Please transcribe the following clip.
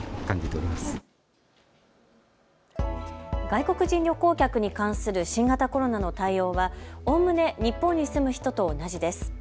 外国人旅行客に関する新型コロナの対応はおおむね日本に住む人と同じです。